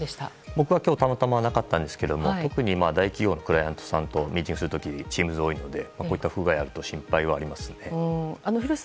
僕は今日たまたまなかったんですけど特に大企業のクライアントさんとミーティングする時Ｔｅａｍｓが多いのでこういった不具合があると心配です。